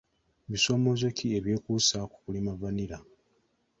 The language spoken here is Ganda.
Bisoomooza ki ebyekuusa ku kulima vanilla?